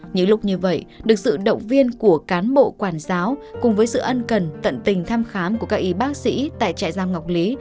những lúc như vậy được sự động viên của cán bộ quản giáo cùng với sự ân cần tận tình thăm khám của các y bác sĩ tại trại giam ngọc lý